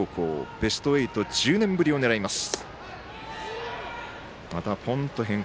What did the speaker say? ベスト８１０年ぶりを狙います。